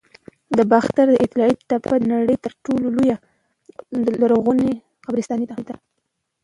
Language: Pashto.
د باختر د طلایی تپې د نړۍ تر ټولو لوی لرغوني قبرستان دی